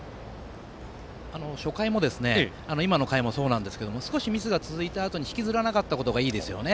初回も今の回もそうですが少しミスが続いたあとに引きずらなかったことがいいです。